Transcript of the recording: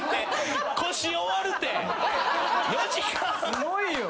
すごいよ。